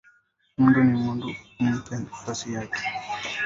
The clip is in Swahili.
Muntu ni muntu umupe fasi yake